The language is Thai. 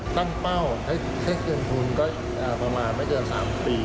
ตั้งเป้าให้เงินทุนก็ประมาณไม่เกิน๓ปี